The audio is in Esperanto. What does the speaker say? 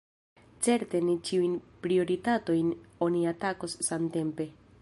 Certe ne ĉiujn prioritatojn oni atakos samtempe.